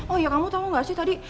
oh ya kamu tahu gak sih tadi